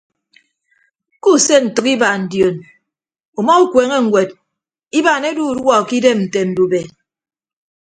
Kuuse ntәk ibaan dion uma ukueene ñwed ibaan edu uduọ ke idem nte ndube.